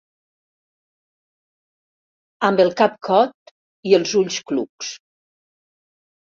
Amb el cap cot i els ulls clucs.